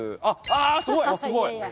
あっすごい！